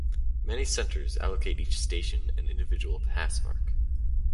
Many centres allocate each station an individual pass mark.